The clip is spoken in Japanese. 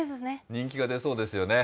人気が出そうですよね。